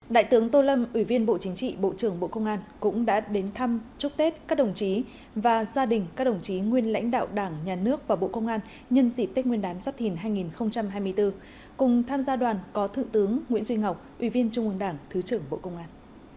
đại tướng tô lâm ủy viên bộ chính trị bộ trưởng bộ công an cũng đã đến thăm chúc tết các đồng chí và gia đình các đồng chí nguyên lãnh đạo đảng nhà nước và bộ công an nhân dịp tết nguyên đán giáp thìn hai nghìn hai mươi bốn cùng tham gia đoàn có thượng tướng nguyễn duy ngọc ủy viên trung ương đảng thứ trưởng bộ công an